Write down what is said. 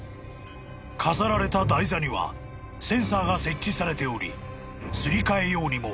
［飾られた台座にはセンサーが設置されておりすり替えようにも少しでも重量が変化すれば